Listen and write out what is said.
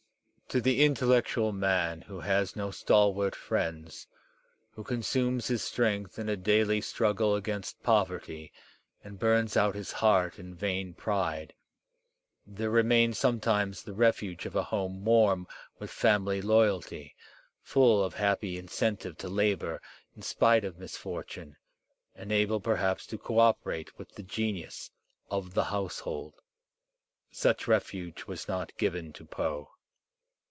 To the intellectual man who has no stalwart friends, who consumes his strength in a daily struggle against poverty and biuns out his heart in vain pride, there remains sometimes the refuge of a home warm with family loyalty, full of happy incentive to labour, in spite of misfortune, and able perhaps Digitized by Google POE 13S to coSperate with the genius of the household. Such refuge was not given to Poe.